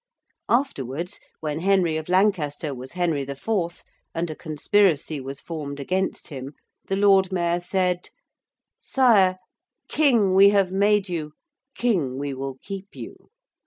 Afterwards, when Henry of Lancaster was Henry IV., and a conspiracy was formed against him, the Lord Mayor said, 'Sire, King we have made you: King we will keep you.'